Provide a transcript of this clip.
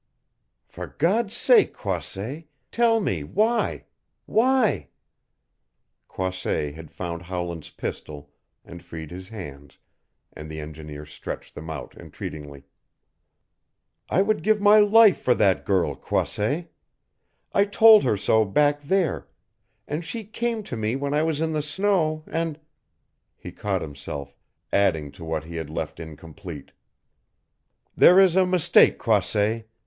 "For God's sake, Croisset, tell me why why " Croisset had found Howland's pistol and freed his hands, and the engineer stretched them out entreatingly. "I would give my life for that girl, Croisset. I told her so back there, and she came to me when I was in the snow and " He caught himself, adding to what he had left incomplete. "There is a mistake, Croisset.